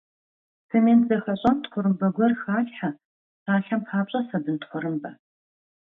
Цемент зэхэщӀам тхъурымбэ гуэр халъхьэ, псалъэм папщӀэ, сабын тхъурымбэ.